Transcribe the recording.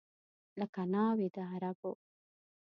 لکه ناوې د عربو